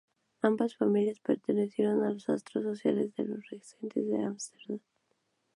Ambas familias pertenecieron al estrato social de los regentes de Ámsterdam.